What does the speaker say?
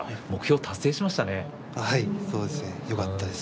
目標を達成しましたね。